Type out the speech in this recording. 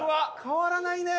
変わらないね。